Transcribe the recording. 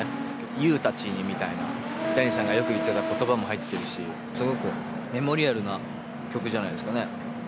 ＹＯＵたちにみたいな、ジャニーさんがよく言ってたことばも入ってるし、すごくメモリアルな曲じゃないですかね。